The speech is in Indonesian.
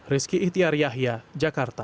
rizky itiar yahya jakarta